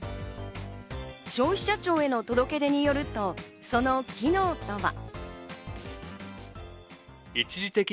消費者庁への届け出によると、その機能とは？